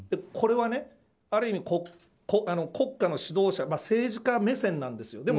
これはある意味、国家の指導者政治家目線なんですよ。